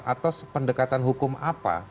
atau pendekatan hukum apa